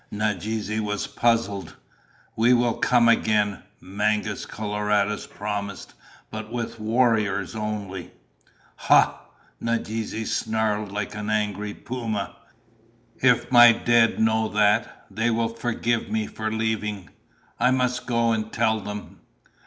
Nadeze was puzzled. "We will come again," Mangus Coloradus promised, "but with warriors only." "Ha!" Nadeze snarled like an angry puma. "If my dead know that, they will forgive me for leaving! I must go and tell them!"